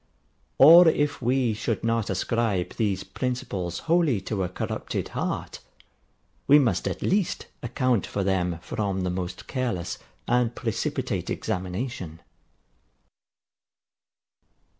Or if we should not ascribe these principles wholly to a corrupted heart, we must at least account for them from the most careless and precipitate examination.